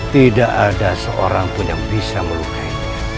tidak ada seorang pun yang bisa melukainya